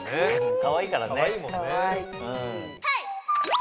かわいいからね。